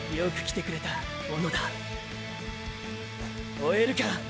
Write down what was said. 追えるか？